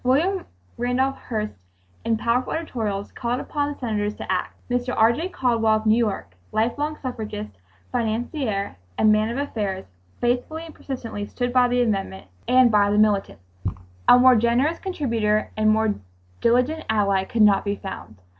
William Randolph Hearst in powerful editorials called upon the Senators to act. Mr. R. J. Caldwell of New York, life long suffragist, financier and man of affairs, faithfully and persistently stood by the amendment and by the militants. A more generous contributor and more diligent ally could not be found.